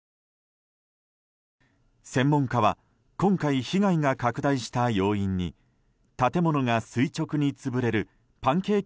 専門家は今回、被害が拡大した要因に建物が垂直に潰れるパンケーキ